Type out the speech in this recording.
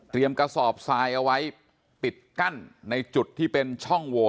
กระสอบทรายเอาไว้ปิดกั้นในจุดที่เป็นช่องโว